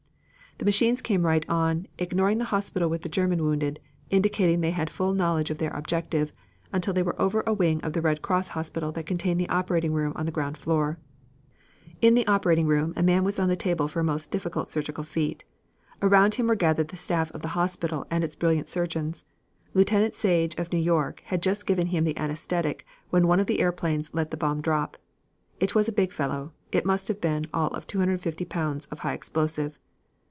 "The machines came right on, ignoring the hospital with the German wounded, indicating they had full knowledge of their objective, until they were over a wing of the Red Cross hospital that contained the operating room on the ground floor. In the operating room a man was on the table for a most difficult surgical feat. Around him were gathered the staff of the hospital and its brilliant surgeons. Lieutenant Sage of New York had just given him the anesthetic when one of the airplanes let the bomb drop. It was a big fellow. It must have been all of 250 pounds of high explosive.